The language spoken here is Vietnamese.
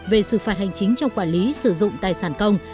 về xử phạt hành chính trong quản lý sử dụng tài sản công